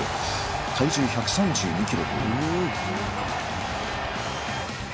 体重１３２ｋｇという。